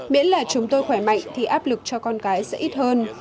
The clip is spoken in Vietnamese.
miễn là chúng tôi khỏe mạnh thì áp lực cho con cái sẽ ít hơn